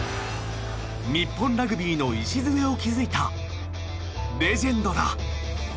日本ラグビーの礎を築いたレジェンドだ。